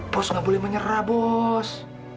bos nggak boleh menyerah bos